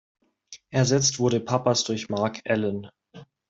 Ersetzt wurde Pappas durch Marc Allen.